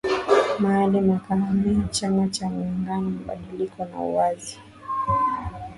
Maalim akahamia chama cha muungano mabadiliko na uwazi